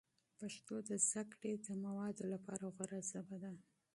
پښتو د تعلیمي موادو لپاره غوره ژبه ده.